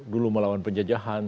dulu melawan penjajahan